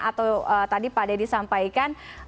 atau tadi pak dedy sampaikan